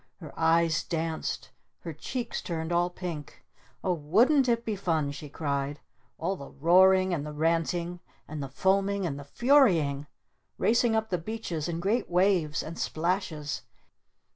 Her eyes danced! Her cheeks turned all pink! "Oh wouldn't it be fun?" she cried. "All the roaring! And the ranting! And the foaming! And the Furying! Racing up the beaches in great waves! And splashes!